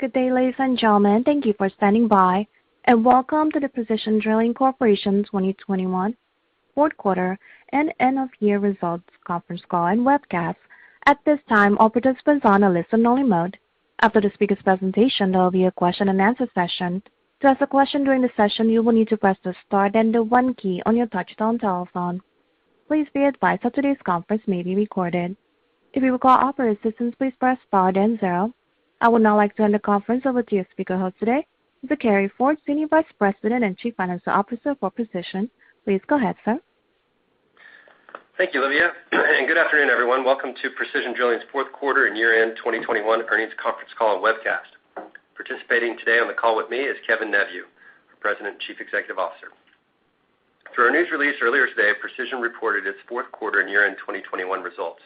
Good day, ladies and gentlemen. Thank you for standing by and welcome to the Precision Drilling Corporation 2021 Q4 and End-of-Year Results Conference Call and Webcast. At this time, all participants are on a listen-only mode. After the speaker's presentation, there will be a question-and-answer session. To ask a question during the session, you will need to press the star then the one key on your touch-tone telephone. Please be advised that today's conference may be recorded. If you require operator assistance, please press star then zero. I would now like to hand the conference over to your speaker host today, to Carey Ford, Senior Vice President and Chief Financial Officer for Precision. Please go ahead, sir. Thank you, Olivia, and good afternoon everyone. Welcome to Precision Drilling's Q4 and year-end 2021 earnings conference call and webcast. Participating today on the call with me is Kevin Neveu, President and Chief Executive Officer. Through our news release earlier today, Precision reported its Q4 and year-end 2021 results.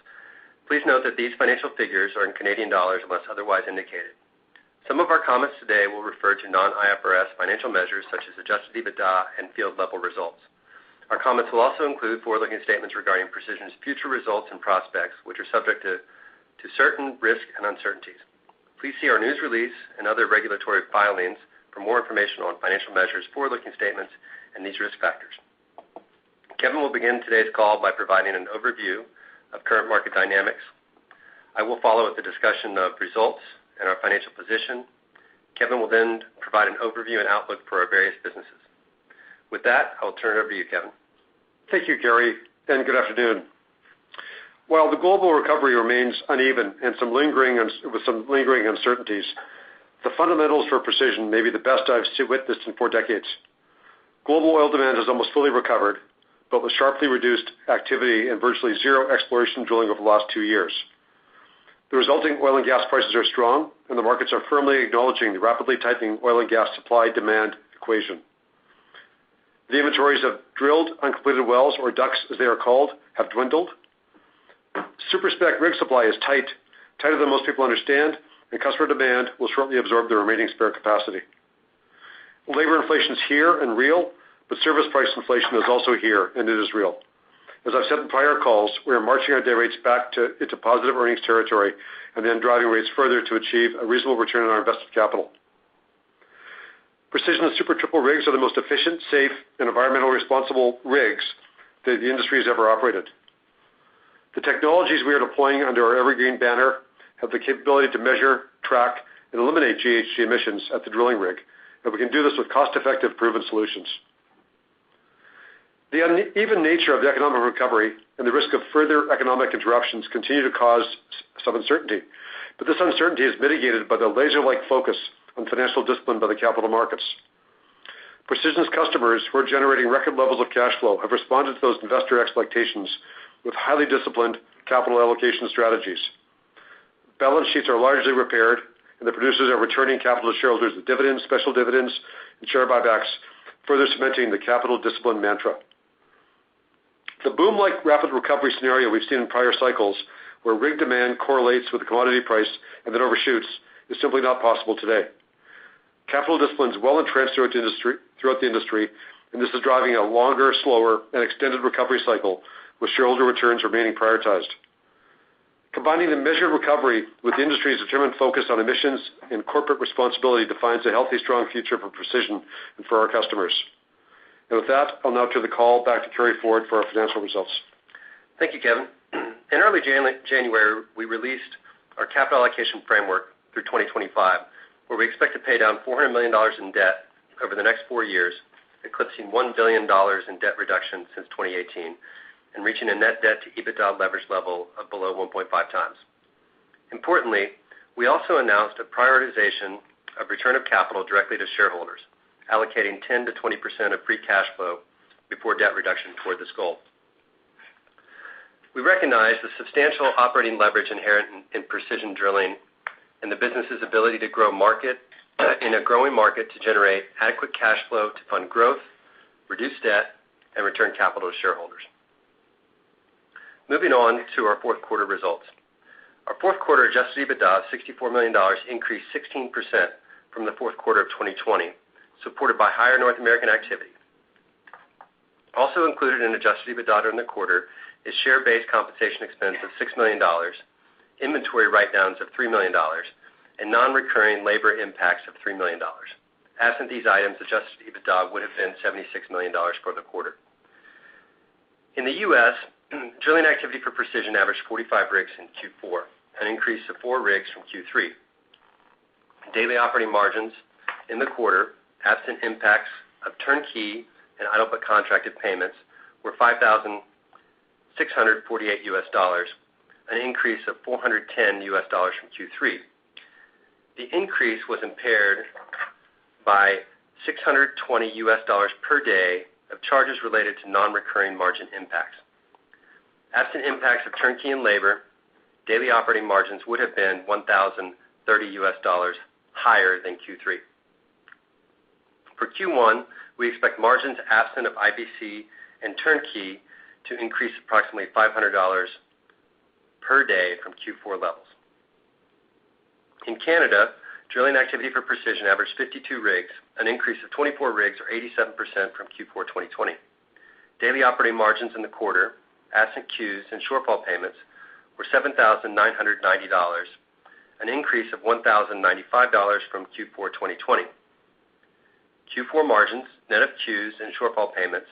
Please note that these financial figures are in Canadian dollars unless otherwise indicated. Some of our comments today will refer to non-IFRS financial measures such as adjusted EBITDA and field level results. Our comments will also include forward-looking statements regarding Precision's future results and prospects, which are subject to certain risks and uncertainties. Please see our news release and other regulatory filings for more information on financial measures, forward-looking statements and these risk factors. Kevin will begin today's call by providing an overview of current market dynamics. I will follow with the discussion of results and our financial position. Kevin will then provide an overview and outlook for our various businesses. With that, I'll turn it over to you, Kevin. Thank you, Carey, and good afternoon. While the global recovery remains uneven and with some lingering uncertainties, the fundamentals for Precision may be the best I've witnessed in four decades. Global oil demand has almost fully recovered, but with sharply reduced activity and virtually zero exploration drilling over the last two years. The resulting oil and gas prices are strong, and the markets are firmly acknowledging the rapidly tightening oil and gas supply-demand equation. The inventories of drilled uncompleted wells or DUCs, as they are called, have dwindled. Super-Spec rig supply is tight, tighter than most people understand, and customer demand will shortly absorb the remaining spare capacity. Labor inflation is here and real, but service price inflation is also here and it is real. As I've said in prior calls, we are marching our day rates back into positive earnings territory and then driving rates further to achieve a reasonable return on our invested capital. Precision's Super Triple rigs are the most efficient, safe and environmentally responsible rigs that the industry has ever operated. The technologies we are deploying under our EverGreen™ banner have the capability to measure, track, and eliminate GHG emissions at the drilling rig, and we can do this with cost-effective, proven solutions. The uneven nature of the economic recovery and the risk of further economic interruptions continue to cause some uncertainty, but this uncertainty is mitigated by the laser-like focus on financial discipline by the capital markets. Precision's customers who are generating record levels of cash flow have responded to those investor expectations with highly disciplined capital allocation strategies. Balance sheets are largely repaired, and the producers are returning capital to shareholders with dividends, special dividends and share buybacks, further cementing the capital discipline mantra. The boom-like rapid recovery scenario we've seen in prior cycles, where rig demand correlates with the commodity price and then overshoots, is simply not possible today. Capital discipline is well entrenched throughout the industry, and this is driving a longer, slower and extended recovery cycle with shareholder returns remaining prioritized. Combining the measured recovery with the industry's determined focus on emissions and corporate responsibility defines a healthy, strong future for Precision and for our customers. With that, I'll now turn the call back to Carey Ford for our financial results. Thank you, Kevin. In early January, we released our capital allocation framework through 2025, where we expect to pay down 400 million dollars in debt over the next four years, eclipsing 1 billion dollars in debt reduction since 2018 and reaching a net debt to EBITDA leverage level of below 1.5x. Importantly, we also announced a prioritization of return of capital directly to shareholders, allocating 10%-20% of free cash flow before debt reduction toward this goal. We recognize the substantial operating leverage inherent in Precision Drilling and the business's ability to grow market in a growing market to generate adequate cash flow to fund growth, reduce debt, and return capital to shareholders. Moving on to our Q4 results. Our Q4 adjusted EBITDA of 64 million dollars increased 16% from the Q4 of 2020, supported by higher North American activity. Also included in adjusted EBITDA in the quarter is share-based compensation expense of 6 million dollars, inventory write-downs of 3 million dollars and non-recurring labor impacts of 3 million dollars. Absent these items, adjusted EBITDA would have been 76 million dollars for the quarter. In the U.S., drilling activity for Precision averaged 45 rigs in Q4, an increase of four rigs from Q3. Daily operating margins in the quarter, absent impacts of turnkey and idle but contracted payments, were $5,648, an increase of $410 from Q3. The increase was impaired by $620 per day of charges related to non-recurring margin impacts. Absent impacts of turnkey and labor, daily operating margins would have been $1,030 higher than Q3. For Q1, we expect margins absent of IBC and turnkey to increase approximately 500 dollars per day from Q4 levels. In Canada, drilling activity for Precision averaged 52 rigs, an increase of 24 rigs or 87% from Q4 2020. Daily operating margins in the quarter, absent CEWS and shortfall payments were 7,990 dollars, an increase of 1,095 dollars from Q4 2020. Q4 margins, net of CEWS and shortfall payments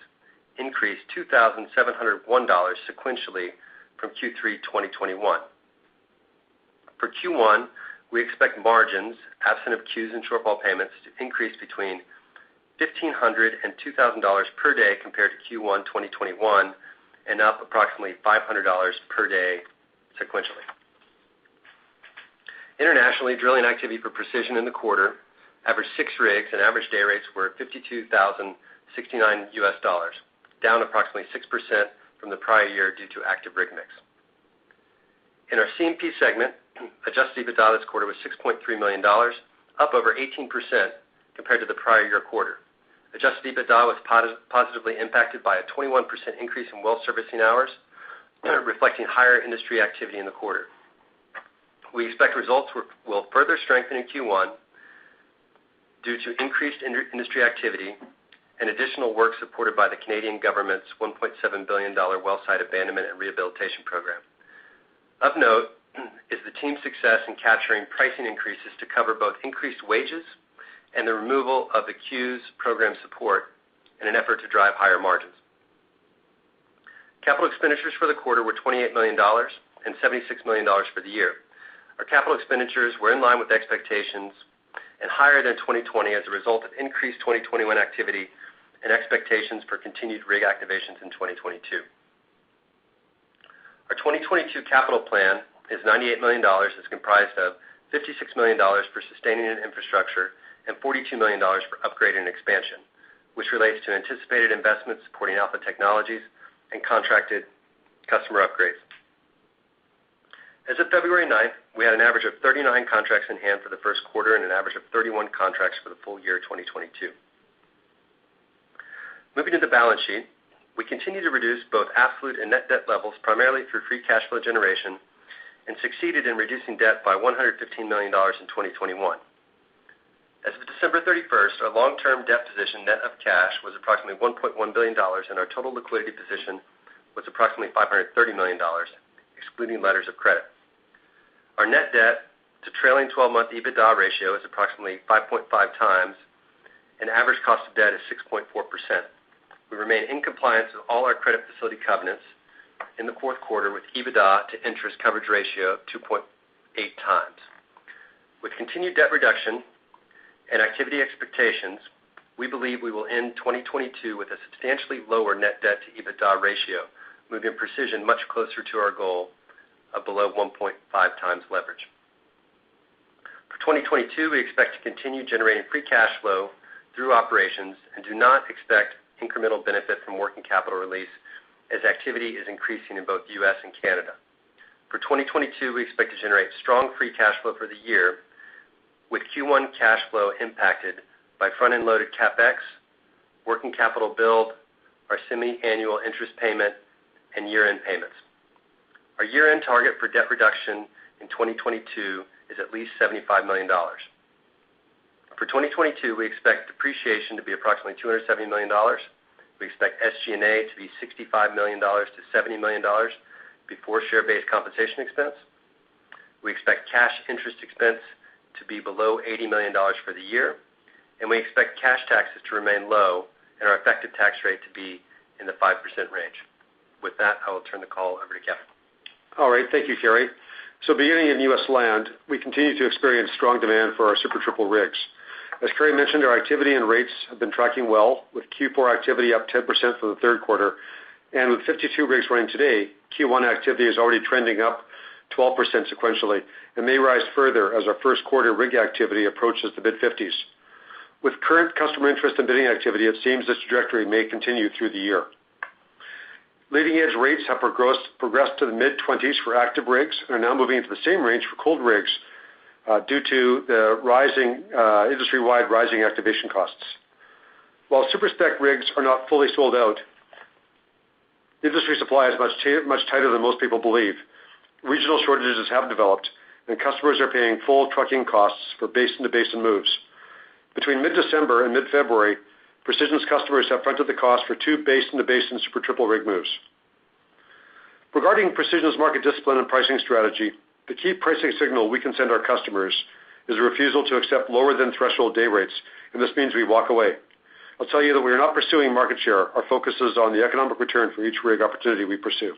increased 2,701 dollars sequentially from Q3 2021. For Q1, we expect margins, absent of CEWS and shortfall payments to increase between 1,500 dollars and CAD 2,000 per day compared to Q1 2021, and up approximately 500 dollars per day sequentially. Internationally, drilling activity for Precision in the quarter averaged six rigs, and average day rates were $52,069, down approximately 6% from the prior year due to active rig mix. In our C&P segment, adjusted EBITDA this quarter was 6.3 million dollars, up over 18% compared to the prior year quarter. Adjusted EBITDA was positively impacted by a 21% increase in well servicing hours, reflecting higher industry activity in the quarter. We expect results will further strengthen in Q1 due to increased industry activity and additional work supported by the Canadian government's 1.7 billion dollar Well Site Abandonment and Rehabilitation Program. Of note is the team's success in capturing pricing increases to cover both increased wages and the removal of the CEWS program support in an effort to drive higher margins. Capital expenditures for the quarter were 28 million dollars and 76 million dollars for the year. Our capital expenditures were in line with expectations and higher than 2020 as a result of increased 2021 activity and expectations for continued rig activations in 2022. Our 2022 capital plan is 98 million dollars. It's comprised of 56 million dollars for sustaining and infrastructure, and 42 million dollars for upgrade and expansion, which relates to anticipated investments supporting Alpha technologies and contracted customer upgrades. As of 9 February, we had an average of 39 contracts in hand for the first quarter and an average of 31 contracts for the full year 2022. Moving to the balance sheet, we continue to reduce both absolute and net debt levels primarily through free cash flow generation, and succeeded in reducing debt by 115 million dollars in 2021. As of 31 December, our long-term debt position, net of cash, was approximately 1.1 billion dollars, and our total liquidity position was approximately 530 million dollars, excluding letters of credit. Our net debt to trailing 12-month EBITDA ratio is approximately 5.5x, and average cost of debt is 6.4%. We remain in compliance with all our credit facility covenants in the Q4 with EBITDA to interest coverage ratio of 2.8x. With continued debt reduction and activity expectations, we believe we will end 2022 with a substantially lower net debt to EBITDA ratio, moving Precision much closer to our goal of below 1.5 times leverage. For 2022, we expect to continue generating free cash flow through operations and do not expect incremental benefit from working capital release as activity is increasing in both U.S. and Canada. For 2022, we expect to generate strong free cash flow for the year with Q1 cash flow impacted by front-end loaded CapEx, working capital build, our semi-annual interest payment, and year-end payments. Our year-end target for debt reduction in 2022 is at least $75 million. For 2022, we expect depreciation to be approximately $270 million. We expect SG&A to be $65 million-$70 million before share-based compensation expense. We expect cash interest expense to be below $80 million for the year, and we expect cash taxes to remain low and our effective tax rate to be in the 5% range. With that, I will turn the call over to Kevin. All right. Thank you, Carey. Beginning in U.S. land, we continue to experience strong demand for our Super Triple rigs. As Carey mentioned, our activity and rates have been tracking well with Q4 activity up 10% for the Q3. With 52 rigs running today, Q1 activity is already trending up 12% sequentially and may rise further as our Q1 rig activity approaches the mid-50s. With current customer interest and bidding activity, it seems this trajectory may continue through the year. Leading edge rates have progressed to the mid-20s for active rigs and are now moving into the same range for cold rigs due to the rising industry-wide activation costs. While Super-Spec rigs are not fully sold out, industry supply is much tighter than most people believe. Regional shortages have developed, and customers are paying full trucking costs for basin to basin moves. Between mid-December and mid-February, Precision's customers have fronted the cost for two basin to basin Super Triple rig moves. Regarding Precision's market discipline and pricing strategy, the key pricing signal we can send our customers is a refusal to accept lower than threshold day rates, and this means we walk away. I'll tell you that we are not pursuing market share. Our focus is on the economic return for each rig opportunity we pursue.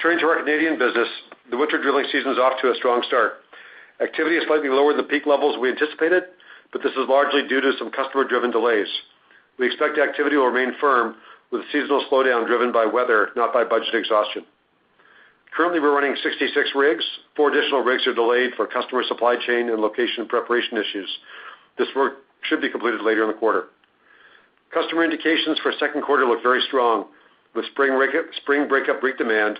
Turning to our Canadian business, the winter drilling season is off to a strong start. Activity is slightly lower than peak levels we anticipated, but this is largely due to some customer-driven delays. We expect activity will remain firm with seasonal slowdown driven by weather, not by budget exhaustion. Currently, we're running 66 rigs. Four additional rigs are delayed for customer supply chain and location preparation issues. This work should be completed later in the quarter. Customer indications for Q2 look very strong with spring break up rig demand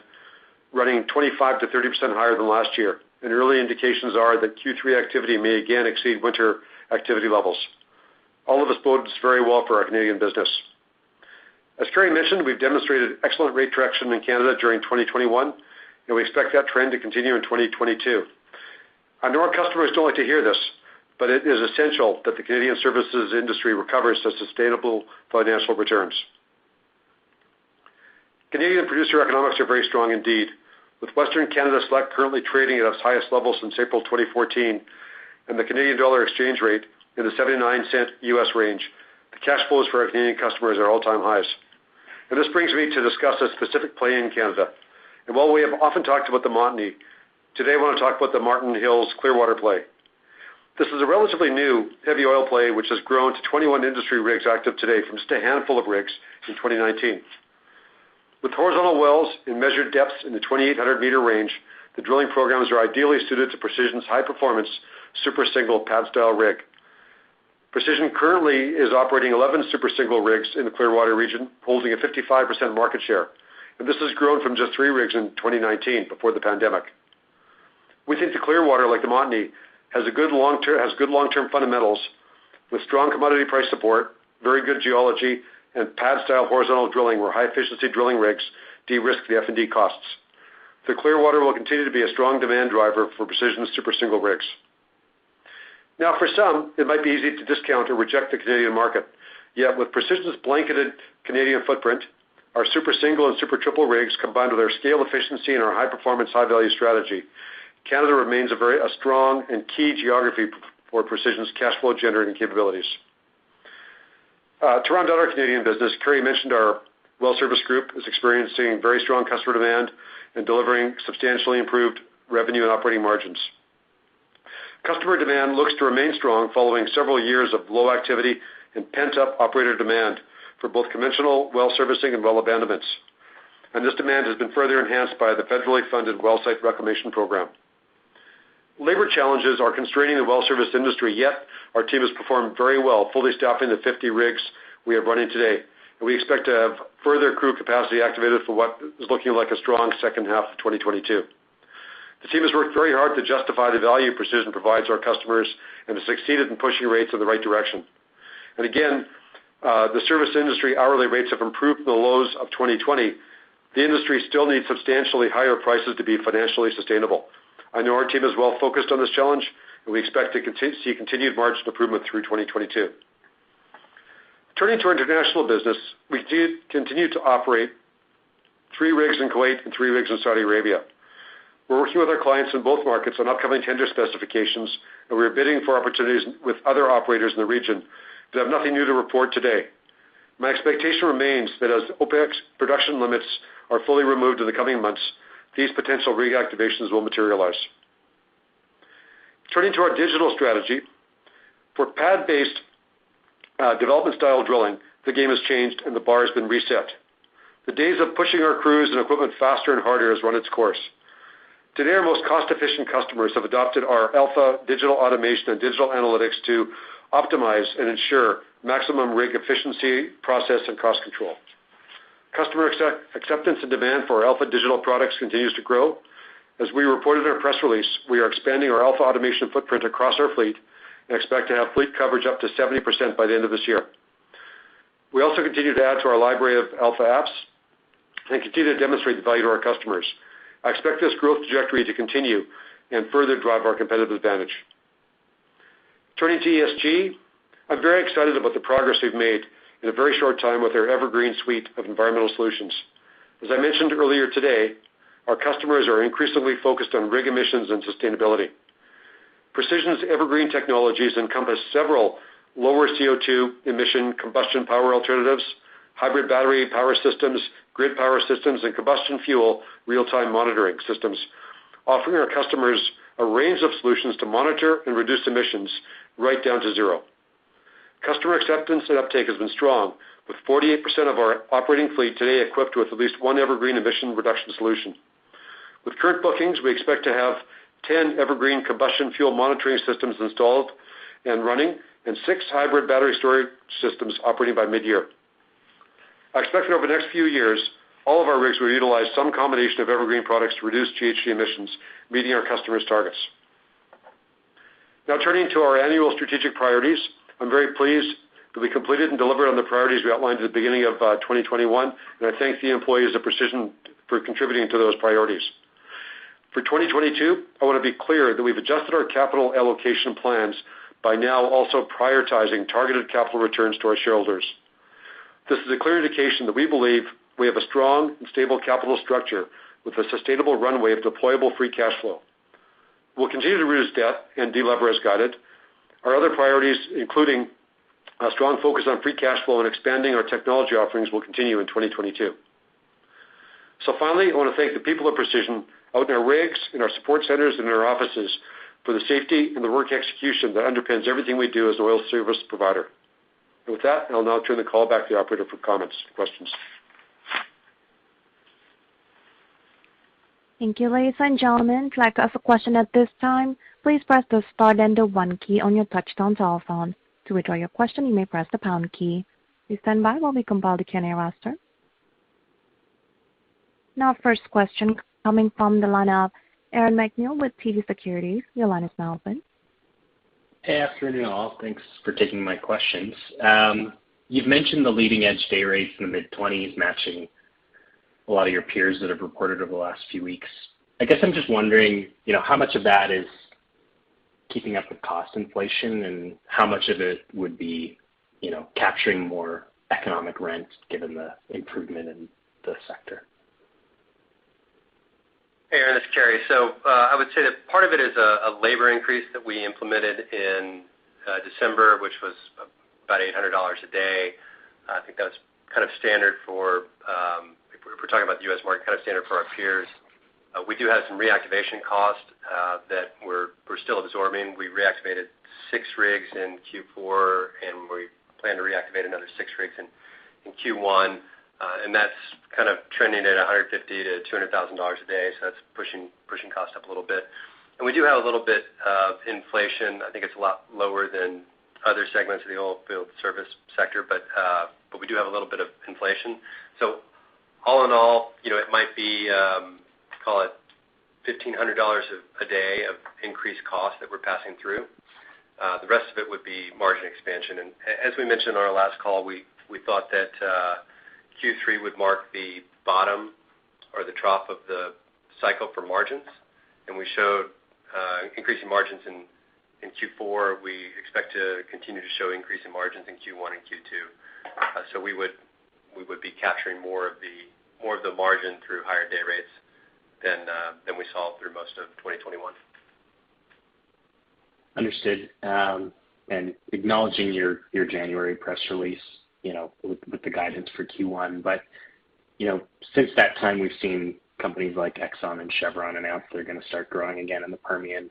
running 25%-30% higher than last year. Early indications are that Q3 activity may again exceed winter activity levels. All of this bodes very well for our Canadian business. As Carey mentioned, we've demonstrated excellent rate traction in Canada during 2021, and we expect that trend to continue in 2022. I know our customers don't like to hear this, but it is essential that the Canadian services industry recovers to sustainable financial returns. Canadian producer economics are very strong indeed, with Western Canadian Select currently trading at its highest level since April 2014 and the Canadian dollar exchange rate in the 79-cent U.S. range. The cash flows for our Canadian customers are all-time highs. This brings me to discuss a specific play in Canada. While we have often talked about the Montney, today I wanna talk about the Marten Hills Clearwater play. This is a relatively new heavy oil play, which has grown to 21 industry rigs active today from just a handful of rigs in 2019. With horizontal wells in measured depths in the 2,800-meter range, the drilling programs are ideally suited to Precision's high performance, Super Single pad style rig. Precision currently is operating 11 Super Single rigs in the Clearwater region, holding a 55% market share, and this has grown from just three rigs in 2019 before the pandemic. We think the Clearwater, like the Montney, has good long-term fundamentals with strong commodity price support, very good geology, and pad style horizontal drilling, where high efficiency drilling rigs de-risk the F&D costs. The Clearwater will continue to be a strong demand driver for Precision's Super Single rigs. Now, for some, it might be easy to discount or reject the Canadian market. Yet with Precision's blanketed Canadian footprint, our Super Single and Super Triple rigs, combined with our scale efficiency and our high-performance, high-value strategy, Canada remains a strong and key geography for Precision's cash flow generating capabilities. To round out our Canadian business, Carey mentioned our well service group is experiencing very strong customer demand and delivering substantially improved revenue and operating margins. Customer demand looks to remain strong following several years of low activity and pent-up operator demand for both conventional well servicing and well abandonments, and this demand has been further enhanced by the federally funded well site reclamation program. Labor challenges are constraining the well service industry, yet our team has performed very well, fully staffing the 50 rigs we have running today, and we expect to have further crew capacity activated for what is looking like a strong second half of 2022. The team has worked very hard to justify the value Precision provides our customers and has succeeded in pushing rates in the right direction. Again, the service industry hourly rates have improved from the lows of 2020. The industry still needs substantially higher prices to be financially sustainable. I know our team is well-focused on this challenge, and we expect to see continued margin improvement through 2022. Turning to our international business, we do continue to operate three rigs in Kuwait and three rigs in Saudi Arabia. We're working with our clients in both markets on upcoming tender specifications, and we're bidding for opportunities with other operators in the region that have nothing new to report today. My expectation remains that as OPEC's production limits are fully removed in the coming months, these potential reactivations will materialize. Turning to our digital strategy. For pad-based, development style drilling, the game has changed and the bar has been reset. The days of pushing our crews and equipment faster and harder has run its course. Today, our most cost-efficient customers have adopted our Alpha digital automation and digital analytics to optimize and ensure maximum rig efficiency, process and cost control. Customer acceptance and demand for our Alpha digital products continues to grow. As we reported in our press release, we are expanding our Alpha automation footprint across our fleet and expect to have fleet coverage up to 70% by the end of this year. We also continue to add to our library of Alpha apps and continue to demonstrate the value to our customers. I expect this growth trajectory to continue and further drive our competitive advantage. Turning to ESG, I'm very excited about the progress we've made in a very short time with our EverGreen suite of environmental solutions. As I mentioned earlier today, our customers are increasingly focused on rig emissions and sustainability. Precision's EverGreen technologies encompass several lower CO2 emission combustion power alternatives, hybrid battery storage systems, grid power systems, and combustion fuel real-time monitoring systems, offering our customers a range of solutions to monitor and reduce emissions right down to zero. Customer acceptance and uptake has been strong, with 48% of our operating fleet today equipped with at least one EverGreen emission reduction solution. With current bookings, we expect to have 10 EverGreen combustion fuel monitoring systems installed and running and six hybrid battery storage systems operating by mid-year. I expect that over the next few years, all of our rigs will utilize some combination of EverGreen products to reduce GHG emissions, meeting our customers' targets. Now turning to our annual strategic priorities. I'm very pleased that we completed and delivered on the priorities we outlined at the beginning of 2021, and I thank the employees of Precision for contributing to those priorities. For 2022, I wanna be clear that we've adjusted our capital allocation plans by now also prioritizing targeted capital returns to our shareholders. This is a clear indication that we believe we have a strong and stable capital structure with a sustainable runway of deployable free cash flow. We'll continue to reduce debt and delever as guided. Our other priorities, including a strong focus on free cash flow and expanding our technology offerings, will continue in 2022. Finally, I wanna thank the people of Precision out in our rigs, in our support centers and in our offices for the safety and the work execution that underpins everything we do as an oil service provider. With that, I'll now turn the call back to the operator for comments and questions. Thank you, ladies and gentlemen. If you'd like to ask a question at this time, please press the star then the one key on your touchtone telephone. To withdraw your question, you may press the pound key. Please stand by while we compile the Q&A roster. Now first question coming from the line of Aaron MacNeil with TD Securities. Your line is now open. Good afternoon, all. Thanks for taking my questions. You've mentioned the leading-edge day rates in the mid-CAD 20,000s matching a lot of your peers that have reported over the last few weeks. I guess I'm just wondering, you know, how much of that is keeping up with cost inflation and how much of it would be, you know, capturing more economic rent given the improvement in the sector? Hey, Aaron, this is Carey. I would say that part of it is a labor increase that we implemented in December, which was about 800 dollars a day. I think that's kind of standard for if we're talking about the U.S. market, kind of standard for our peers. We do have some reactivation costs that we're still absorbing. We reactivated six rigs in Q4, and we plan to reactivate another six rigs in Q1. That's kind of trending at 150,000-200,000 dollars a day, so that's pushing costs up a little bit. We do have a little bit of inflation. I think it's a lot lower than other segments of the oilfield service sector, but we do have a little bit of inflation. All in all, you know, it might be, call it 1,500 dollars a day of increased cost that we're passing through. The rest of it would be margin expansion. As we mentioned on our last call, we thought that Q3 would mark the bottom or the trough of the cycle for margins. We showed increasing margins in Q4. We expect to continue to show increasing margins in Q1 and Q2. We would be capturing more of the margin through higher day rates than we saw through most of 2021. Understood. Acknowledging your January press release, you know, with the guidance for Q1. You know, since that time, we've seen companies like Exxon and Chevron announce they're gonna start growing again in the Permian.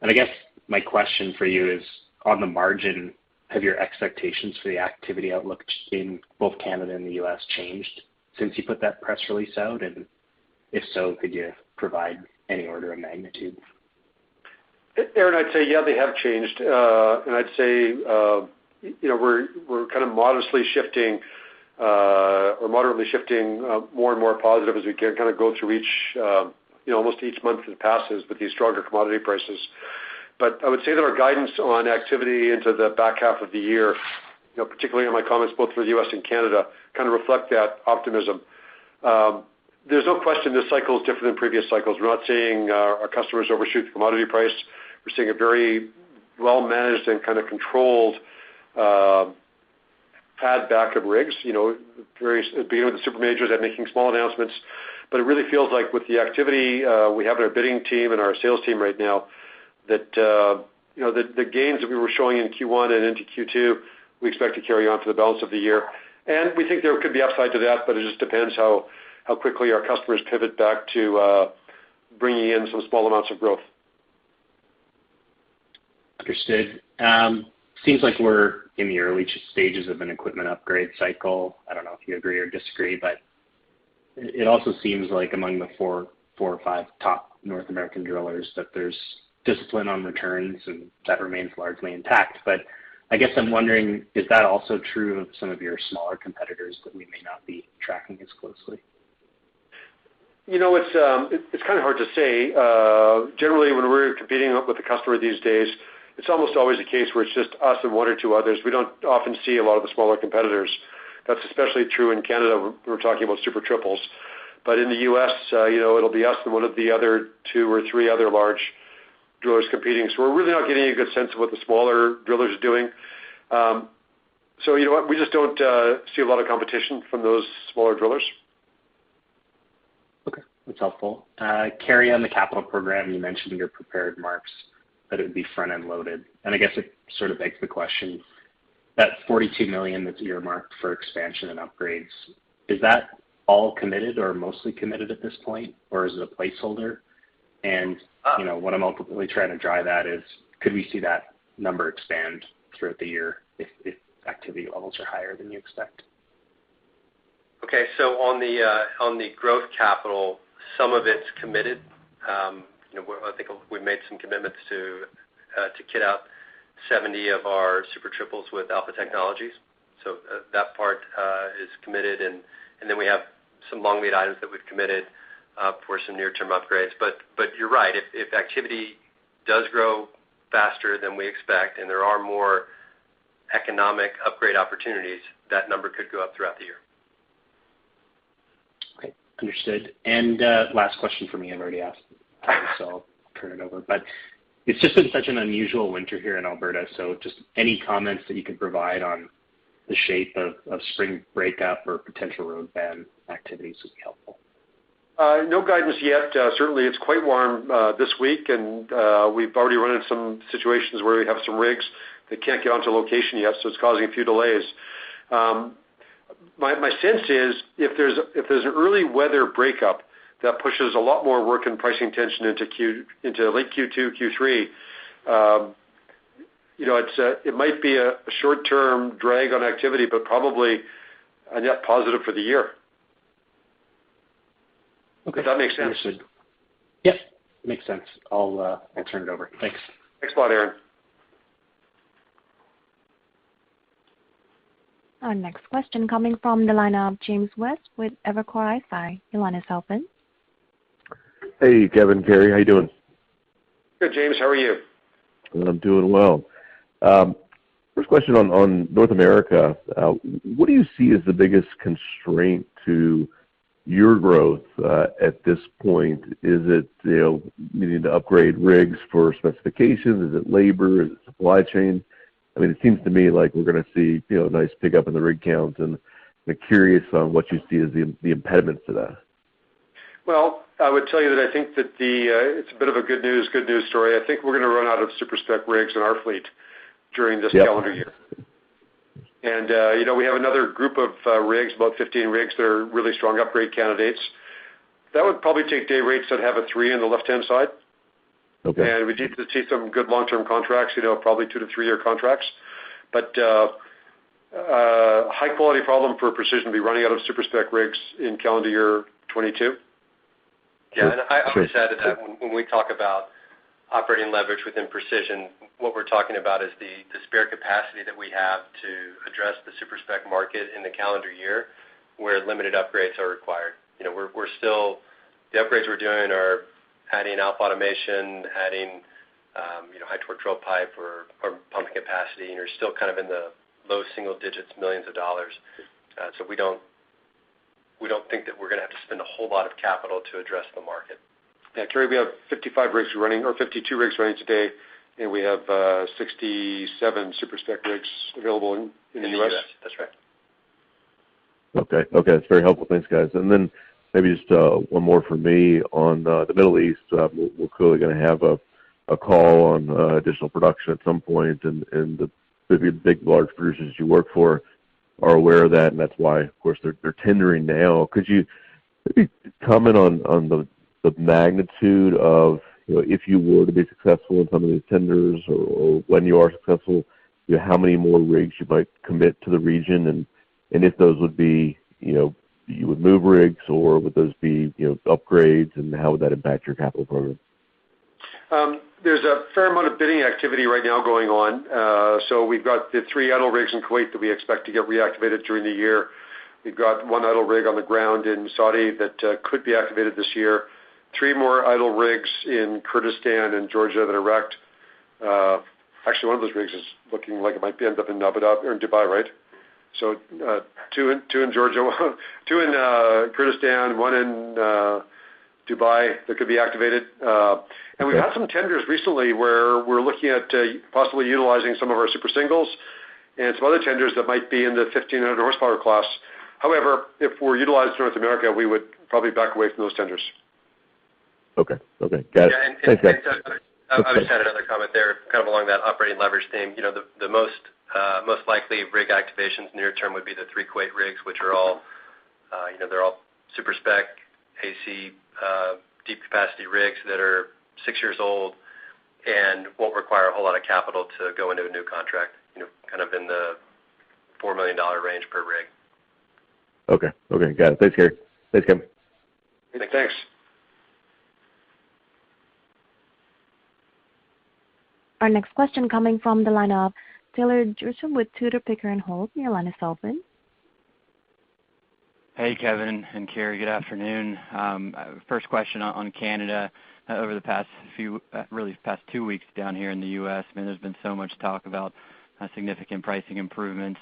I guess my question for you is, on the margin, have your expectations for the activity outlook in both Canada and the U.S. changed since you put that press release out? If so, could you provide any order of magnitude? Aaron, I'd say yeah, they have changed. I'd say, you know, we're kind of modestly shifting or moderately shifting more and more positive as we kind of go through each, you know, almost each month that passes with these stronger commodity prices. I would say that our guidance on activity into the back half of the year, you know, particularly in my comments both for the U.S. and Canada, kind of reflect that optimism. There's no question this cycle is different than previous cycles. We're not seeing our customers overshoot the commodity price. We're seeing a very well-managed and kind of controlled pullback of rigs. You know, various, the super majors are making small announcements. It really feels like with the activity we have in our bidding team and our sales team right now that you know the gains that we were showing in Q1 and into Q2 we expect to carry on for the balance of the year. We think there could be upside to that, but it just depends how quickly our customers pivot back to bringing in some small amounts of growth. Understood. Seems like we're in the early stages of an equipment upgrade cycle. I don't know if you agree or disagree, but it also seems like among the four or five top North American drillers that there's discipline on returns and that remains largely intact. I guess I'm wondering, is that also true of some of your smaller competitors that we may not be tracking as closely? You know, it's kind of hard to say. Generally, when we're competing with a customer these days, it's almost always the case where it's just us and one or two others. We don't often see a lot of the smaller competitors. That's especially true in Canada, we're talking about Super Triples. In the U.S., you know, it'll be us and one of the other two or three other large drillers competing, so we're really not getting a good sense of what the smaller drillers are doing. You know what? We just don't see a lot of competition from those smaller drillers. Okay, that's helpful. Carey, on the capital program, you mentioned in your prepared remarks that it would be front-end loaded, and I guess it sort of begs the question, that 42 million that's earmarked for expansion and upgrades, is that all committed or mostly committed at this point, or is it a placeholder? And, you know, what I'm ultimately trying to drive at is could we see that number expand throughout the year if activity levels are higher than you expect? Okay. On the growth capital, some of it's committed. You know, I think we've made some commitments to kit out 70 of our Super Triples with Alpha technologies. That part is committed and then we have some long-lead items that we've committed for some near-term upgrades. You're right. If activity does grow faster than we expect and there are more economic upgrade opportunities, that number could go up throughout the year. Great. Understood. Last question for me. I've already asked, so I'll turn it over. It's just been such an unusual winter here in Alberta, so just any comments that you could provide on the shape of spring breakup or potential road ban activities would be helpful. No guidance yet. Certainly it's quite warm this week, and we've already run into some situations where we have some rigs that can't get onto location yet, so it's causing a few delays. My sense is if there's an early weather breakup that pushes a lot more work and pricing tension into late Q2, Q3, you know, it might be a short-term drag on activity but probably a net positive for the year. Okay. If that makes sense. Understood. Yes, makes sense. I'll turn it over. Thanks. Thanks a lot, Aaron. Our next question coming from the line of James West with Evercore ISI. Your line is open. Hey, Kevin, Carey, how you doing? Good, James, how are you? I'm doing well. First question on North America. What do you see as the biggest constraint to your growth at this point? Is it, you know, needing to upgrade rigs for specifications? Is it labor? Is it supply chain? I mean, it seems to me like we're gonna see, you know, a nice pickup in the rig count, and I'm curious on what you see as the impediment to that. Well, I would tell you that I think that it's a bit of a good news, good news story. I think we're gonna run out of super-spec rigs in our fleet during this calendar year. Yeah. You know, we have another group of rigs, about 15 rigs that are really strong upgrade candidates. That would probably take day rates that have a three on the left-hand side. Okay. We need to see some good long-term contracts, you know, probably two- to three-year contracts. A high-quality problem for Precision will be running out of Super-Spec rigs in calendar year 2022. Yeah. I would just add to that when we talk about operating leverage within Precision, what we're talking about is the spare capacity that we have to address the super-spec market in the calendar year where limited upgrades are required. You know, the upgrades we're doing are adding Alpha automation, adding you know high torque drill pipe or pumping capacity, and you're still kind of in the low single digits million of dollars. We don't think that we're gonna have to spend a whole lot of capital to address the market. Yeah, Carey, we have 55 rigs running or 52 rigs running today, and we have 67 Super-Spec rigs available in the U.S. In the U.S. That's right. Okay. That's very helpful. Thanks, guys. Maybe just one more from me on the Middle East. We're clearly gonna have a call on additional production at some point. The big, large producers you work for are aware of that, and that's why, of course, they're tendering now. Could you maybe comment on the magnitude of, you know, if you were to be successful in some of these tenders or when you are successful, you know, how many more rigs you might commit to the region? If those would be, you know, you would move rigs or would those be, you know, upgrades and how would that impact your capital program? There's a fair amount of bidding activity right now going on. We've got the three idle rigs in Kuwait that we expect to get reactivated during the year. We've got one idle rig on the ground in Saudi that could be activated this year. Three more idle rigs in Kurdistan and Georgia that are stacked. Actually, one of those rigs is looking like it might end up in Abu Dhabi or in Dubai, right? Two in Georgia, two in Kurdistan, one in Dubai that could be activated. We've had some tenders recently where we're looking at possibly utilizing some of our Super Singles and some other tenders that might be in the 1,500 horsepower class. However, if we're utilized in North America, we would probably back away from those tenders. Okay. Okay. Got it. Yeah. I would just add another comment there, kind of along that operating leverage theme. You know, the most likely rig activations near term would be the three Kuwait rigs, which are all, you know, they're all Super-Spec AC, deep capacity rigs that are six years old and won't require a whole lot of capital to go into a new contract, you know, kind of in the 4 million dollar range per rig. Okay, got it. Thanks, Carey. Thanks, Kevin. Thanks. Thanks. Our next question coming from the line of Taylor Zurcher with Tudor, Pickering, Holt. Your line is open. Hey, Kevin and Carey. Good afternoon. First question on Canada. Over the past two weeks down here in the U.S., man, there's been so much talk about significant pricing improvements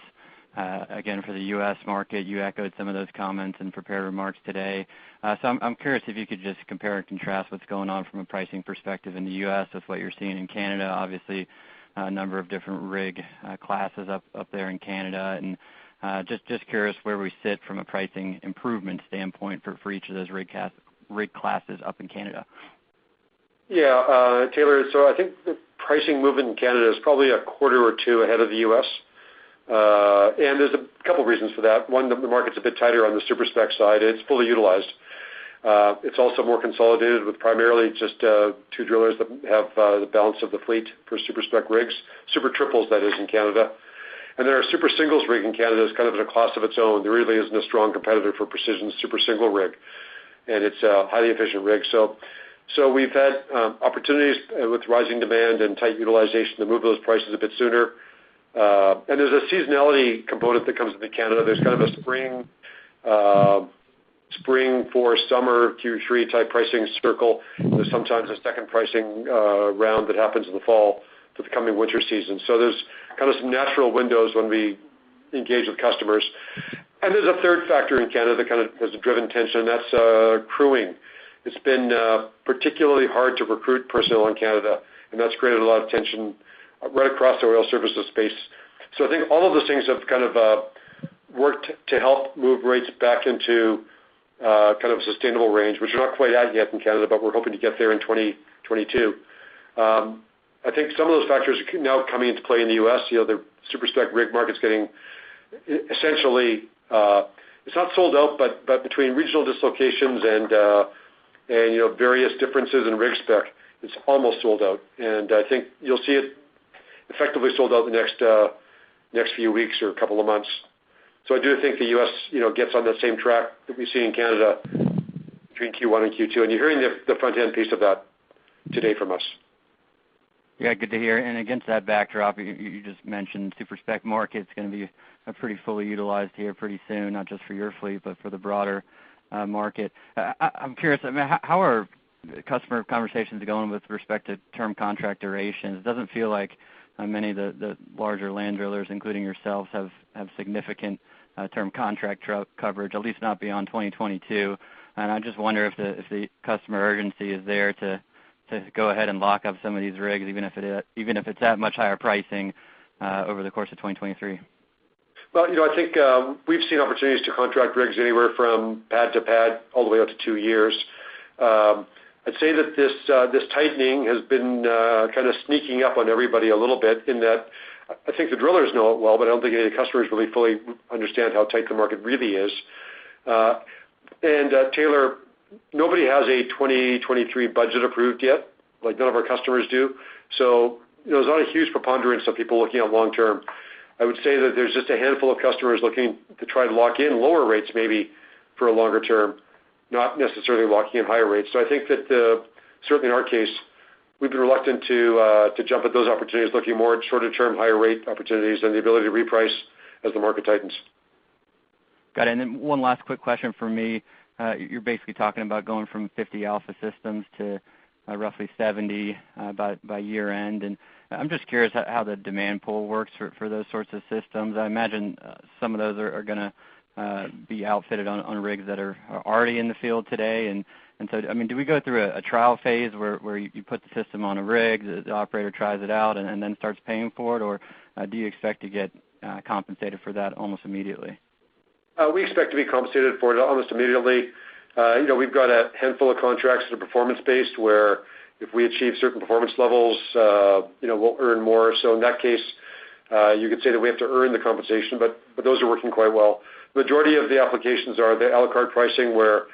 again for the U.S. market. You echoed some of those comments in prepared remarks today. So I'm curious if you could just compare and contrast what's going on from a pricing perspective in the U.S. with what you're seeing in Canada. Obviously a number of different rig classes up there in Canada. Just curious where we sit from a pricing improvement standpoint for each of those rig classes up in Canada. Yeah. Taylor, I think the pricing movement in Canada is probably a quarter or two ahead of the U.S. There's a couple reasons for that. One, the market's a bit tighter on the super-spec side. It's fully utilized. It's also more consolidated with primarily just two drillers that have the balance of the fleet for super-spec rigs, Super Triples that is in Canada. The Super Single rig in Canada is kind of in a class of its own. There really isn't a strong competitor for Precision's Super Single rig, and it's a highly efficient rig. We've had opportunities with rising demand and tight utilization to move those prices a bit sooner. There's a seasonality component that comes into Canada. There's kind of a spring thaw summer Q3 type pricing cycle. There's sometimes a second pricing round that happens in the fall for the coming winter season. There's kind of some natural windows when we engage with customers. There's a third factor in Canada that kind of has driven tension, and that's crewing. It's been particularly hard to recruit personnel in Canada, and that's created a lot of tension right across the oil services space. I think all of those things have kind of worked to help move rates back into a kind of sustainable range, which we're not quite at yet in Canada, but we're hoping to get there in 2022. I think some of those factors are now coming into play in the U.S. You know, the Super-Spec rig market's getting essentially, it's not sold out, but between regional dislocations and, you know, various differences in rig spec, it's almost sold out. I think you'll see it effectively sold out in the next few weeks or couple of months. I do think the U.S., you know, gets on that same track that we see in Canada between Q1 and Q2, and you're hearing the front end piece of that today from us. Yeah. Good to hear. Against that backdrop, you just mentioned super-spec market's gonna be pretty fully utilized here pretty soon, not just for your fleet, but for the broader market. I'm curious, I mean, how are customer conversations going with respect to term contract durations? It doesn't feel like many of the larger land drillers, including yourselves, have significant term contract rig coverage, at least not beyond 2022. I just wonder if the customer urgency is there to go ahead and lock up some of these rigs, even if it's at much higher pricing over the course of 2023. Well, you know, I think we've seen opportunities to contract rigs anywhere from pad to pad all the way up to two years. I'd say that this tightening has been kinda sneaking up on everybody a little bit in that I think the drillers know it well, but I don't think any of the customers really fully understand how tight the market really is. Taylor, nobody has a 2023 budget approved yet, like, none of our customers do. There's not a huge preponderance of people looking at long term. I would say that there's just a handful of customers looking to try to lock in lower rates maybe for a longer term, not necessarily locking in higher rates. I think that, certainly in our case, we'd be reluctant to jump at those opportunities, looking more at shorter term, higher rate opportunities and the ability to reprice as the market tightens. Got it. Then one last quick question from me. You're basically talking about going from 50 Alpha systems to roughly 70 by year-end. I'm just curious how the demand pool works for those sorts of systems. I imagine some of those are gonna be outfitted on rigs that are already in the field today. I mean, do we go through a trial phase where you put the system on a rig, the operator tries it out and then starts paying for it? Do you expect to get compensated for that almost immediately? We expect to be compensated for it almost immediately. You know, we've got a handful of contracts that are performance-based, where if we achieve certain performance levels, you know, we'll earn more. In that case, you could say that we have to earn the compensation, but those are working quite well. Majority of the applications are the à la carte pricing, where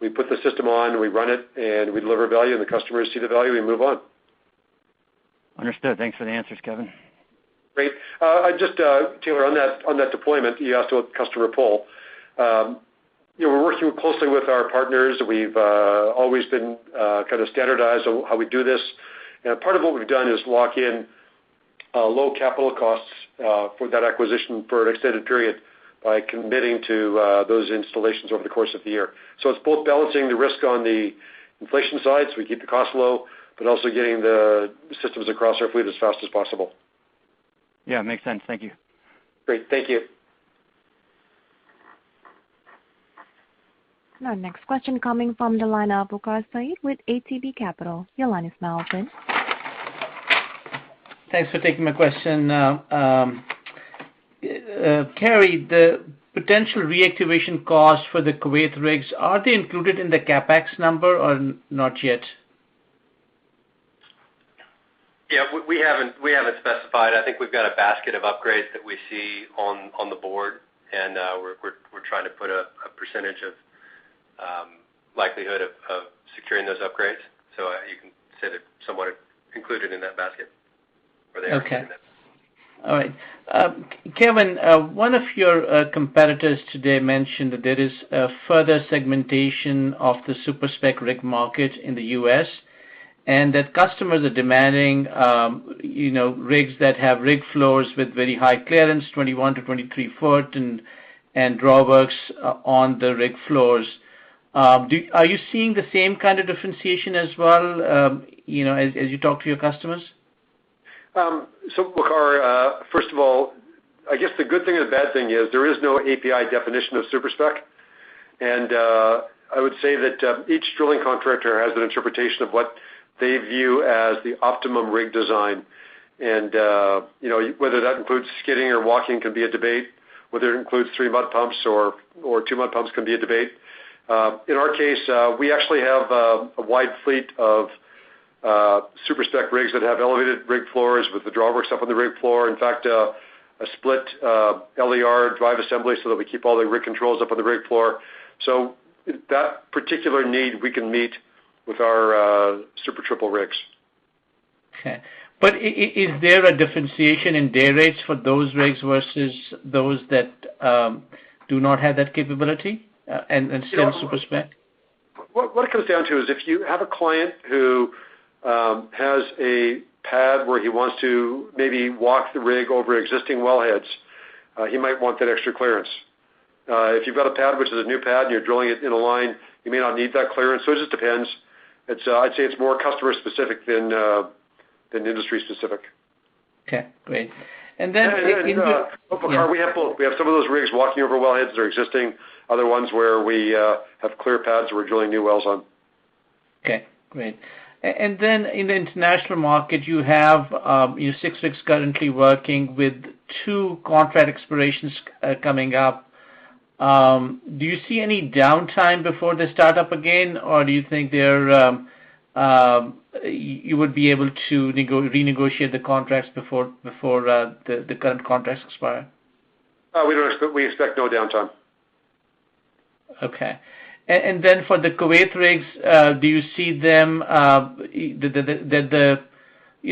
we put the system on and we run it and we deliver value and the customers see the value, we move on. Understood. Thanks for the answers, Kevin. Great. Just Taylor, on that deployment, you asked about customer pool. You know, we're working closely with our partners. We've always been kind of standardized on how we do this. Part of what we've done is lock in low capital costs for that acquisition for an extended period by committing to those installations over the course of the year. It's both balancing the risk on the inflation side, so we keep the cost low, but also getting the systems across our fleet as fast as possible. Yeah, makes sense. Thank you. Great. Thank you. Now next question coming from the line of Waqar Syed with ATB Capital. Your line is now open. Thanks for taking my question. Carey, the potential reactivation costs for the Kuwait rigs, are they included in the CapEx number or not yet? Yeah. We haven't specified. I think we've got a basket of upgrades that we see on the board, and we're trying to put a percentage of likelihood of securing those upgrades. You can say they're somewhat included in that basket or they are included in it. Okay. All right. Kevin, one of your competitors today mentioned that there is a further segmentation of the super-spec rig market in the U.S., and that customers are demanding, you know, rigs that have rig floors with very high clearance, 21-23 feet, and drawworks on the rig floors. Are you seeing the same kind of differentiation as well, you know, as you talk to your customers? Waqar, first of all, I guess the good thing or the bad thing is there is no API definition of super-spec. I would say that each drilling contractor has an interpretation of what they view as the optimum rig design. You know, whether that includes skidding or walking can be a debate, whether it includes three mud pumps or two mud pumps can be a debate. In our case, we actually have a wide fleet of super-spec rigs that have elevated rig floors with the drawworks up on the rig floor. In fact, a split LER drive assembly so that we keep all the rig controls up on the rig floor. That particular need we can meet with our Super Triple rigs. Is there a differentiation in day rates for those rigs versus those that do not have that capability, and still super-spec? What it comes down to is if you have a client who has a pad where he wants to maybe walk the rig over existing wellheads, he might want that extra clearance. If you've got a pad which is a new pad and you're drilling it in a line, you may not need that clearance. It just depends. It's, I'd say it's more customer specific than industry specific. Okay, great. Waqar, we have both. We have some of those rigs walking over wellheads that are existing, other ones where we have clear pads where we're drilling new wells on. Okay, great. In the international market you have six rigs currently working with two contract expirations coming up. Do you see any downtime before they start up again, or do you think you would be able to renegotiate the contracts before the current contracts expire? We expect no downtime. Okay. Then for the Kuwait rigs, do you see them, you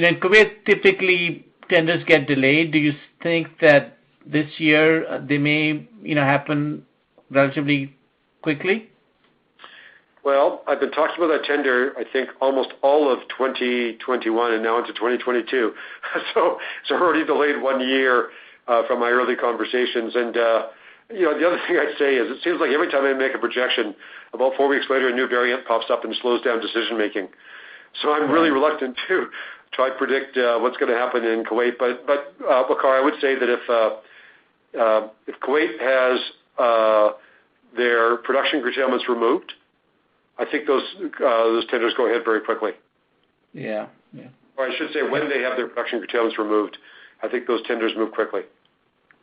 know, in Kuwait, typically tenders get delayed. Do you think that this year they may, you know, happen relatively quickly? Well, I've been talking about that tender, I think almost all of 2021 and now into 2022. It's already delayed one year from my early conversations. You know, the other thing I'd say is it seems like every time I make a projection, about four weeks later, a new variant pops up and slows down decision making. I'm really reluctant to predict what's gonna happen in Kuwait. Waqar, I would say that if Kuwait has their production curtailments removed, I think those tenders go ahead very quickly. Yeah. Yeah. I should say, when they have their production curtailments removed, I think those tenders move quickly.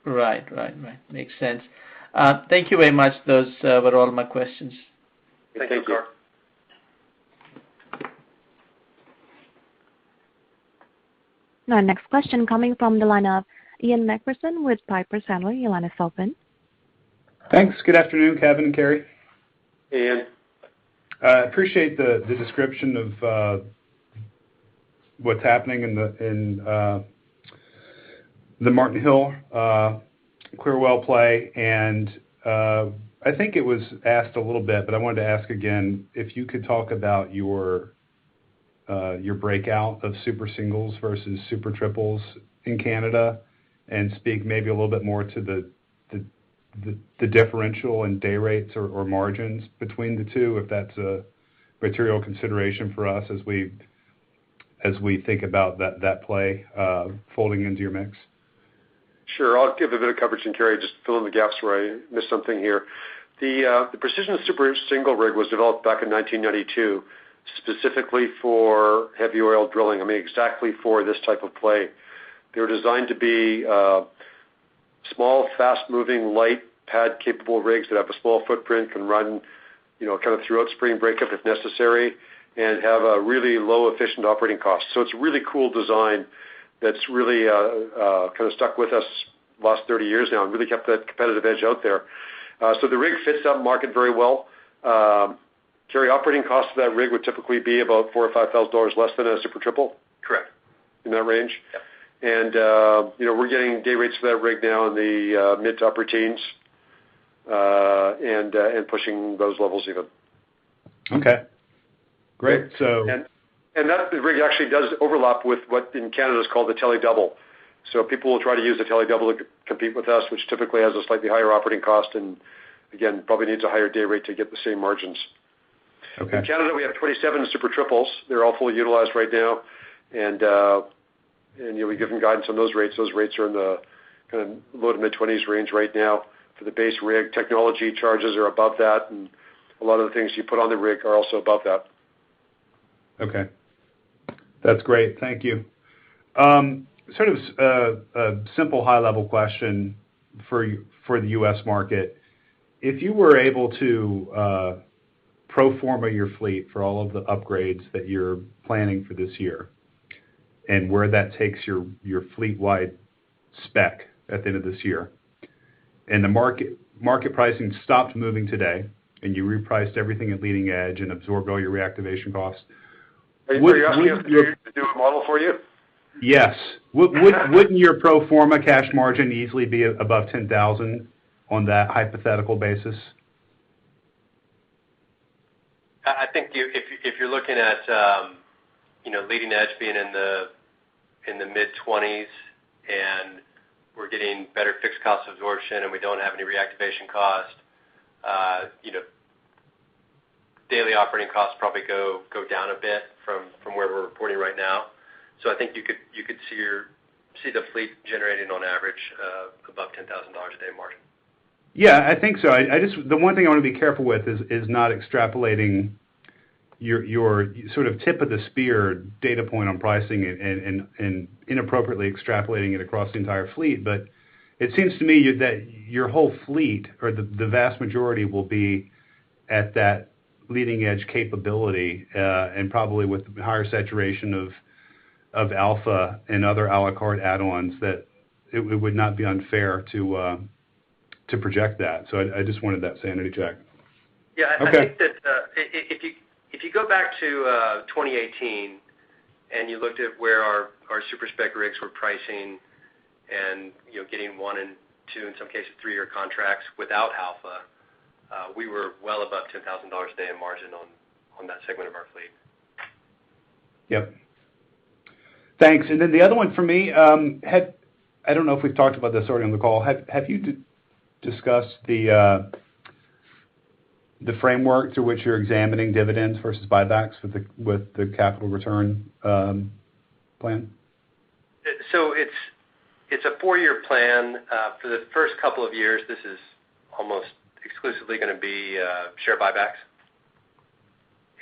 Right. Makes sense. Thank you very much. Those were all my questions. Thank you, Waqar. Thank you. Our next question coming from the line of Ian MacPherson with Piper Sandler. Your line is open. Thanks. Good afternoon, Kevin and Carey. Hey, Ian. I appreciate the description of what's happening in the Marten Hills Clearwater play. I think it was asked a little bit, but I wanted to ask again, if you could talk about your breakout of Super Singles versus Super Triples in Canada, and speak maybe a little bit more to the differential in day rates or margins between the two, if that's a material consideration for us as we think about that play folding into your mix. Sure. I'll give a bit of coverage, and Carey just fill in the gaps where I miss something here. The Precision Super Single rig was developed back in 1992, specifically for heavy oil drilling. I mean, exactly for this type of play. They were designed to be small, fast-moving, light pad-capable rigs that have a small footprint, can run, you know, kind of throughout spring breakup, if necessary, and have a really low, efficient operating cost. It's a really cool design that's really kind of stuck with us last 30 years now and really kept that competitive edge out there. The rig fits that market very well. Carey, operating costs of that rig would typically be about 4,000 or 5,000 dollars less than a Super Triple? Correct. In that range? Yep. You know, we're getting day rates for that rig now in the mid to upper teens, and pushing those levels even. Okay, great. That rig actually does overlap with what in Canada is called the Tele Double. People will try to use the Tele Double to compete with us, which typically has a slightly higher operating cost, and again, probably needs a higher day rate to get the same margins. Okay. In Canada, we have 27 Super Triples. They're all fully utilized right now. You'll be given guidance on those rates. Those rates are in the kind of low- to mid-20s range right now for the base rig. Technology charges are above that, and a lot of the things you put on the rig are also above that. Okay. That's great. Thank you. Sort of a simple high-level question for the U.S. market. If you were able to pro forma your fleet for all of the upgrades that you're planning for this year and where that takes your fleet-wide spec at the end of this year, and the market pricing stopped moving today, and you repriced everything at leading edge and absorbed all your reactivation costs, would your? Are you asking us to do a model for you? Yes. Wouldn't your pro forma cash margin easily be above 10,000 on that hypothetical basis? I think if you're looking at, you know, leading edge being in the mid-20s, and we're getting better fixed cost absorption, and we don't have any reactivation cost, you know, daily operating costs probably go down a bit from where we're reporting right now. So I think you could see the fleet generating on average above 10,000 dollars a day margin. Yeah, I think so. I just the one thing I wanna be careful with is not extrapolating your sort of tip of the spear data point on pricing and inappropriately extrapolating it across the entire fleet. It seems to me that your whole fleet or the vast majority will be at that leading edge capability, and probably with higher saturation of Alpha and other à la carte add-ons, that it would not be unfair to project that. I just wanted that sanity check. Yeah. Okay. I think that if you go back to 2018 and you looked at where our super-spec rigs were pricing and, you know, getting 1- and 2-, in some cases 3-year contracts without Alpha, we were well above $2,000 a day in margin on that segment of our fleet. Yep. Thanks. The other one for me, I don't know if we've talked about this already on the call. Have you discussed the framework to which you're examining dividends versus buybacks with the capital return plan? It's a four-year plan. For the first couple of years, this is almost exclusively gonna be share buybacks.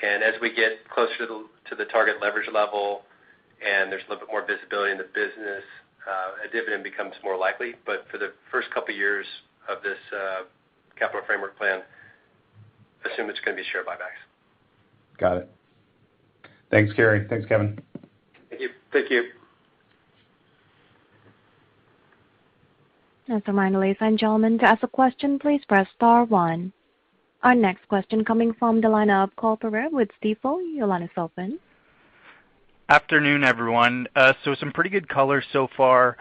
As we get closer to the target leverage level and there's a little bit more visibility in the business, a dividend becomes more likely. For the first couple of years of this capital framework plan, assume it's gonna be share buybacks. Got it. Thanks, Carey. Thanks, Kevin. Thank you. Thank you. As a reminder, ladies and gentlemen, to ask a question, please press star one. Our next question is coming from the line of Cole Pereira with Stifel. Your line is open. Afternoon, everyone. Some pretty good color so far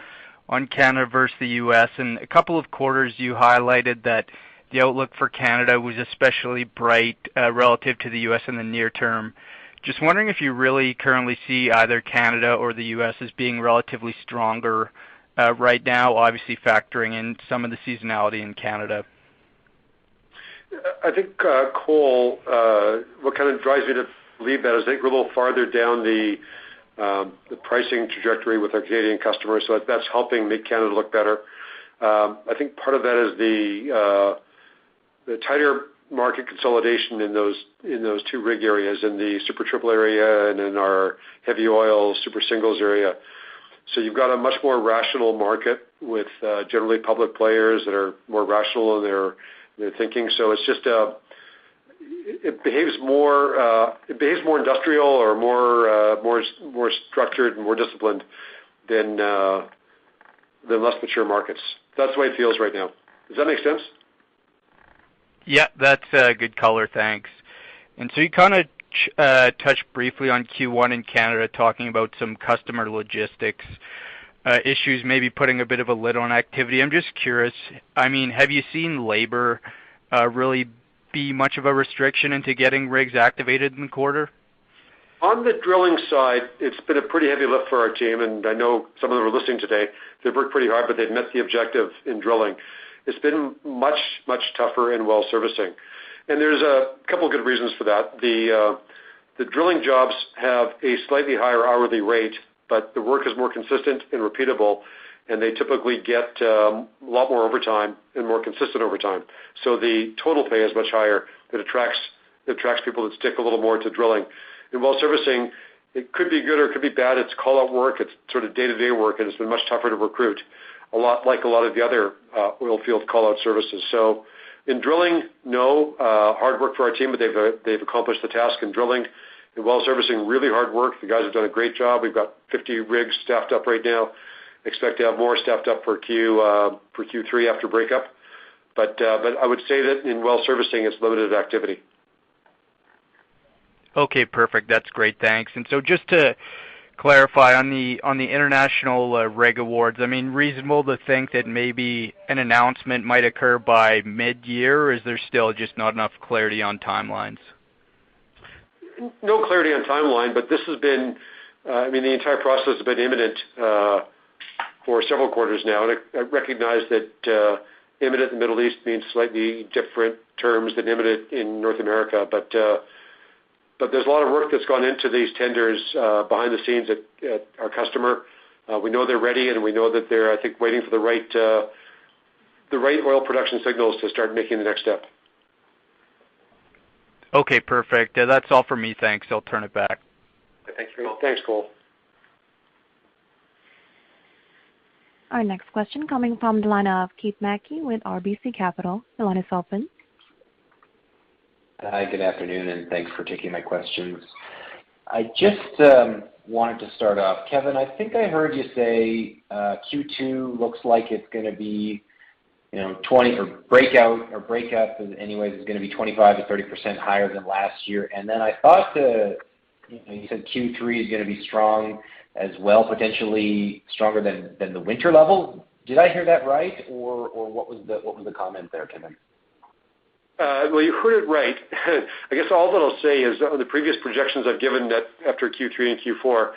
on Canada versus the U.S. A couple of quarters you highlighted that the outlook for Canada was especially bright, relative to the U.S. in the near term. Just wondering if you really currently see either Canada or the U.S. as being relatively stronger, right now, obviously factoring in some of the seasonality in Canada. I think, Cole, what kind of drives me to believe that is I think we're a little farther down the pricing trajectory with our Canadian customers, so that's helping make Canada look better. I think part of that is the tighter market consolidation in those two rig areas, in the Super Triple area and in our heavy oil Super Singles area. You've got a much more rational market with generally public players that are more rational in their thinking. It's just it behaves more industrial or more structured and more disciplined than the less mature markets. That's the way it feels right now. Does that make sense? Yeah, that's good color. Thanks. You kind of touched briefly on Q1 in Canada, talking about some customer logistics issues maybe putting a bit of a lid on activity. I'm just curious. I mean, have you seen labor really be much of a restriction into getting rigs activated in the quarter? On the drilling side, it's been a pretty heavy lift for our team, and I know some of them are listening today. They've worked pretty hard, but they've met the objective in drilling. It's been much, much tougher in well servicing. There's a couple good reasons for that. The drilling jobs have a slightly higher hourly rate, but the work is more consistent and repeatable, and they typically get a lot more overtime and more consistent overtime. So the total pay is much higher. It attracts people that stick a little more to drilling. In well servicing, it could be good or it could be bad. It's call-out work. It's sort of day-to-day work, and it's been much tougher to recruit, a lot like a lot of the other oil field call-out services. In drilling, no hard work for our team, but they've accomplished the task in drilling. In well servicing, really hard work. The guys have done a great job. We've got 50 rigs staffed up right now. Expect to have more staffed up for Q3 after breakup. I would say that in well servicing, it's limited activity. Okay, perfect. That's great. Thanks. Just to clarify on the international rig awards, I mean, reasonable to think that maybe an announcement might occur by mid-year, or is there still just not enough clarity on timelines? No clarity on timeline, but this has been, I mean, the entire process has been imminent for several quarters now. I recognize that imminent in the Middle East means slightly different terms than imminent in North America. There's a lot of work that's gone into these tenders behind the scenes at our customer. We know they're ready, and we know that they're, I think, waiting for the right oil production signals to start making the next step. Okay, perfect. That's all for me. Thanks. I'll turn it back. Thanks, Cole. Our next question coming from the line of Keith Mackey with RBC Capital. The line is open. Hi, good afternoon, and thanks for taking my questions. I just wanted to start off. Kevin, I think I heard you say Q2 looks like it's gonna be, you know, 20 or breakout or breakup anyways is gonna be 25%-30% higher than last year. I thought, you know, you said Q3 is gonna be strong as well, potentially stronger than the winter level. Did I hear that right? What was the comment there, Kevin? Well, you heard it right. I guess all that I'll say is on the previous projections I've given that after Q3 and Q4,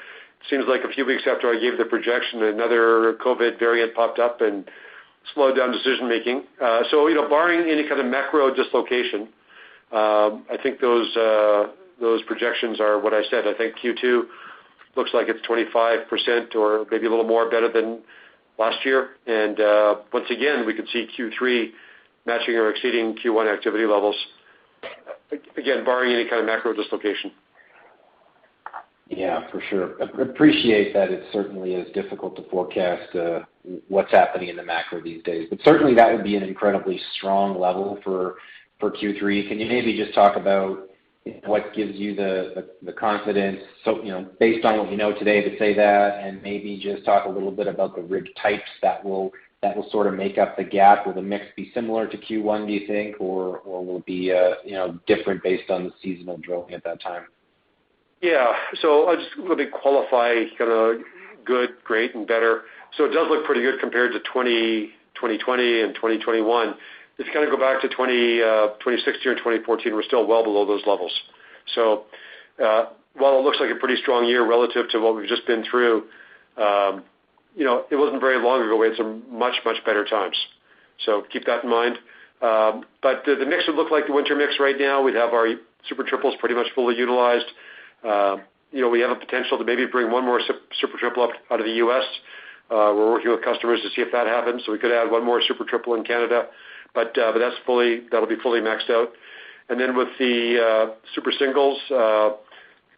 seems like a few weeks after I gave the projection, another COVID variant popped up and slowed down decision-making. So, you know, barring any kind of macro dislocation, I think those projections are what I said. I think Q2 looks like it's 25% or maybe a little more better than last year. Once again, we could see Q3 matching or exceeding Q1 activity levels, again, barring any kind of macro dislocation. Yeah, for sure. I appreciate that it certainly is difficult to forecast what's happening in the macro these days. Certainly that would be an incredibly strong level for Q3. Can you maybe just talk about what gives you the confidence, you know, based on what we know today to say that, and maybe just talk a little bit about the rig types that will sort of make up the gap? Will the mix be similar to Q1, do you think? Or will it be, you know, different based on the seasonal drilling at that time? Yeah. I'll just a little bit qualify kinda good, great, and better. It does look pretty good compared to 2020 and 2021. If you kinda go back to 2016 or 2014, we're still well below those levels. While it looks like a pretty strong year relative to what we've just been through, you know, it wasn't very long ago we had some much, much better times. Keep that in mind. The mix would look like the winter mix right now. We'd have our Super Triples pretty much fully utilized. You know, we have a potential to maybe bring one more Super Triple up out of the U.S. We're working with customers to see if that happens, so we could add one more Super Triple in Canada. That'll be fully maxed out. Then with the Super Singles,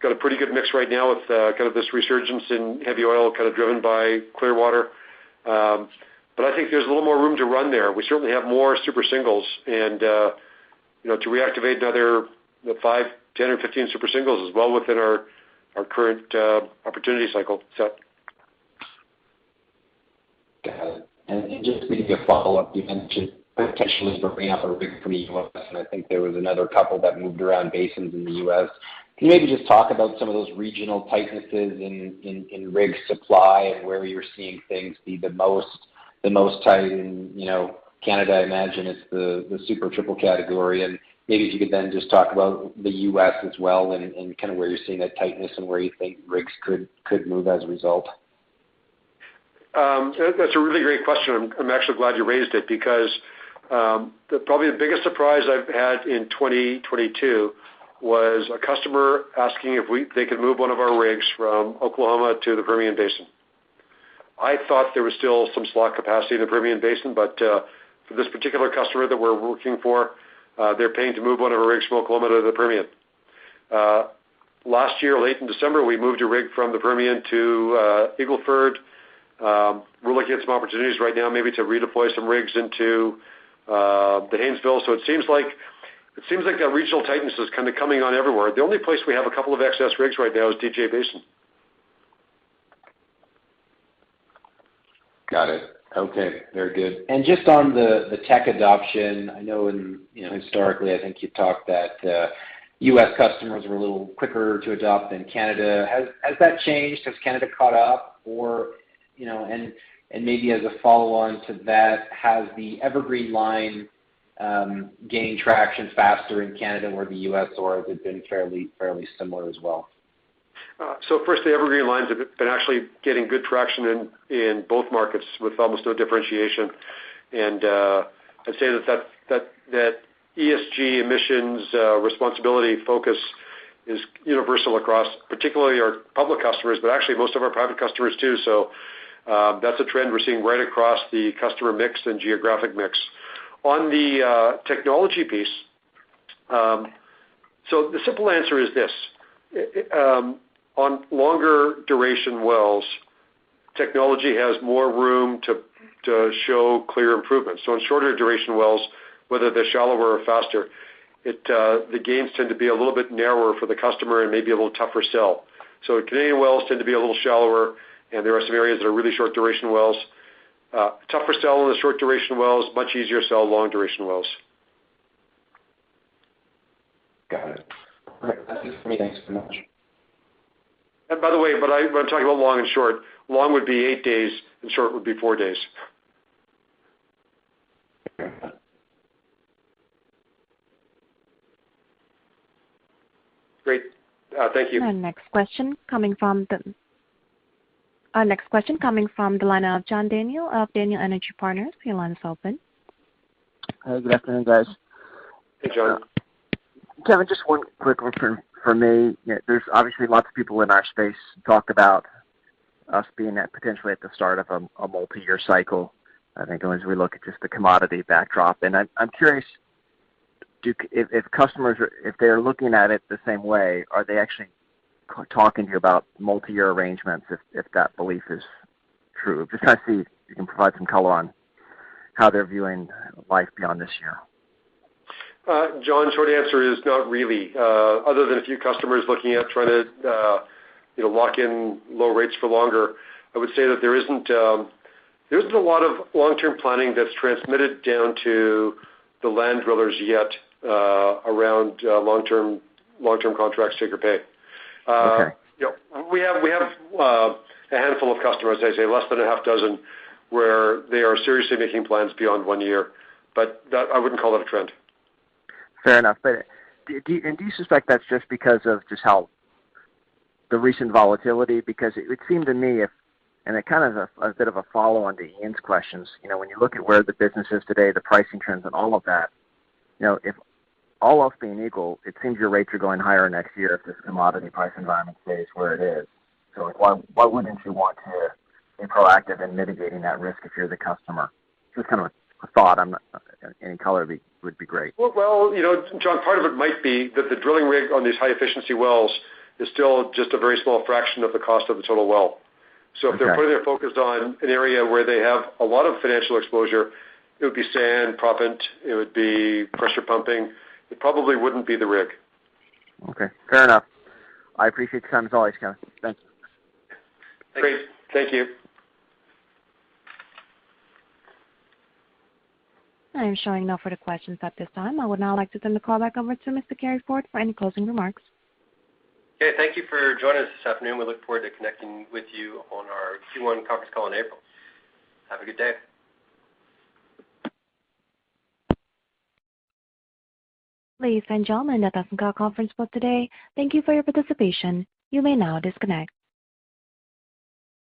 we've got a pretty good mix right now with kind of this resurgence in heavy oil kind of driven by Clearwater. I think there's a little more room to run there. We certainly have more Super Singles and you know, to reactivate another you know, 5, 10 or 15 Super Singles is well within our current opportunity cycle set. Got it. Just maybe a follow-up, you mentioned potentially bringing up a rig from the U.S., and I think there was another couple that moved around basins in the U.S. Can you maybe just talk about some of those regional tightnesses in rig supply and where you're seeing things be the most tight? You know, Canada, I imagine, is the Super Triple category. Maybe if you could then just talk about the U.S. as well and kind of where you're seeing that tightness and where you think rigs could move as a result. That's a really great question. I'm actually glad you raised it because probably the biggest surprise I've had in 2022 was a customer asking if they could move one of our rigs from Oklahoma to the Permian Basin. I thought there was still some slack capacity in the Permian Basin, but for this particular customer that we're working for, they're paying to move one of our rigs from Oklahoma to the Permian. Last year, late in December, we moved a rig from the Permian to Eagle Ford. We're looking at some opportunities right now maybe to redeploy some rigs into the Haynesville. It seems like that regional tightness is kind of coming on everywhere. The only place we have a couple of excess rigs right now is DJ Basin. Got it. Okay, very good. Just on the tech adoption, I know in, you know, historically, I think you've talked that U.S. customers were a little quicker to adopt than Canada. Has that changed? Has Canada caught up or, you know? Maybe as a follow-on to that, has the EverGreen™ line gained traction faster in Canada or the U.S., or has it been fairly similar as well? First, the EverGreen™ lines have been actually getting good traction in both markets with almost no differentiation. I'd say that ESG emissions responsibility focus is universal across particularly our public customers, but actually most of our private customers too. That's a trend we're seeing right across the customer mix and geographic mix. On the technology piece, the simple answer is this, on longer duration wells, technology has more room to show clear improvements. On shorter duration wells, whether they're shallower or faster, the gains tend to be a little bit narrower for the customer and maybe a little tougher sell. Canadian wells tend to be a little shallower, and there are some areas that are really short duration wells. Tougher sell on the short duration wells, much easier sell long duration wells. Got it. All right. That's it for me. Thanks so much. By the way, when I talk about long and short, long would be 8 days, and short would be 4 days. Okay. Great. Thank you. Our next question coming from the line of John Daniel of Daniel Energy Partners. Your line is open. Good afternoon, guys. Hey, John. Kevin, just one quick one from me. There's obviously lots of people in our space talked about us being at, potentially at the start of a multiyear cycle, I think, as we look at just the commodity backdrop. I'm curious if customers are looking at it the same way, are they actually talking to you about multiyear arrangements if that belief is true? Just kinda see if you can provide some color on how they're viewing life beyond this year. John, short answer is not really. Other than a few customers looking at trying to, you know, lock in low rates for longer, I would say that there isn't a lot of long-term planning that's transmitted down to the land drillers yet, around long-term contracts, take or pay. Okay. You know, we have a handful of customers, I'd say less than a half dozen, where they are seriously making plans beyond one year, but that, I wouldn't call it a trend. Fair enough. Do you suspect that's just because of how the recent volatility? It would seem to me, and kind of a bit of a follow-on to Ian's questions, you know, when you look at where the business is today, the pricing trends and all of that, you know, if all else being equal, it seems your rates are going higher next year if this commodity price environment stays where it is. Like, why wouldn't you want to be proactive in mitigating that risk if you're the customer? Just kind of a thought. I'm not. Any color would be great. Well, you know, John, part of it might be that the drilling rig on these high-efficiency wells is still just a very small fraction of the cost of the total well. Okay. If they're putting their focus on an area where they have a lot of financial exposure, it would be sand, proppant, it would be pressure pumping. It probably wouldn't be the rig. Okay, fair enough. I appreciate the time as always, Kevin. Thanks. Great. Thank you. I am showing no further questions at this time. I would now like to turn the call back over to Mr. Carey Ford for any closing remarks. Okay. Thank you for joining us this afternoon. We look forward to connecting with you on our Q1 conference call in April. Have a good day. Ladies and gentlemen, that concludes our conference call today. Thank you for your participation. You may now disconnect.